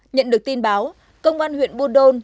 nhận được tin báo công an huyện buôn đôn